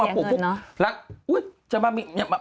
เราเสียเงินเนอะ